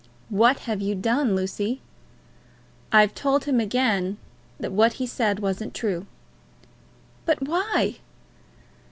"What have you done, Lucy?" "I've told him again that what he said wasn't true." "But why?"